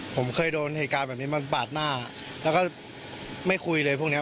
ผมเคยโดนเหตุการณ์แบบนี้มาบาดหน้าแล้วก็ไม่คุยเลยพวกนี้